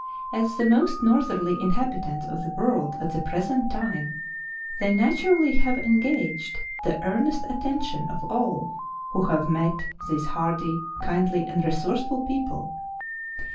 As the most northerly inhabitants of the world at the present time, they naturally have engaged the earnest attention of all who have met these hardy, kindly, and resourceful people.